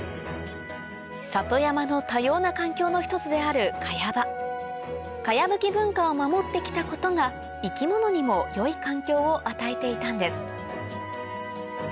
里山の多様な環境の一つである茅場茅ぶき文化を守ってきたことが生き物にも良い環境を与えていたんです